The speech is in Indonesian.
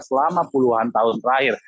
selama puluhan tahun terakhir